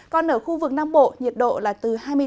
còn ở khu vực nam bộ nhiệt độ là từ hai mươi bốn